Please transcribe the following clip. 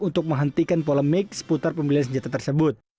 untuk menghentikan polemik seputar pembelian senjata tersebut